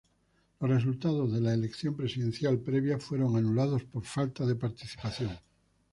Los resultados de la elección presidencial previa fueron anulados por falta de participación.